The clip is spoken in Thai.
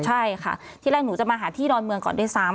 ใช่ค่ะที่แรกหนูจะมาหาที่ดอนเมืองก่อนด้วยซ้ำ